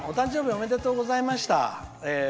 お誕生日おめでとうございました。